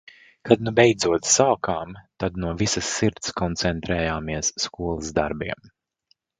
Kad nu beidzot sākām, tad no visas sirds koncentrējāmies skolas darbiem.